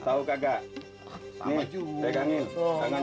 tahu kagak sama juga ganyan ganyan